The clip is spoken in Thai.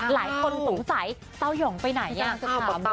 หลายคนตอบไปในกับเตรียมสักข้าวเลยนะ